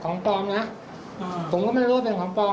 กี่นาทีตอนที่มันหยุดเงินเข้าไป